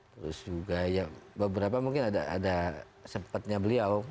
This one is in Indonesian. terus juga ya beberapa mungkin ada sempatnya beliau